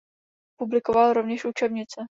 Publikoval rovněž učebnice.